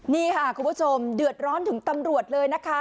นี่ค่ะคุณผู้ชมเดือดร้อนถึงตำรวจเลยนะคะ